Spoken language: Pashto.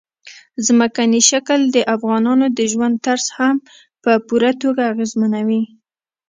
ځمکنی شکل د افغانانو د ژوند طرز هم په پوره توګه اغېزمنوي.